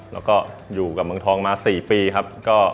แล้วก็อยู่กับเมืองทองมา๔ปีครับ